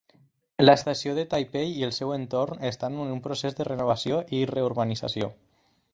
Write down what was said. L'estació de Taipei i el seu entorn estan en procés de renovació i reurbanització.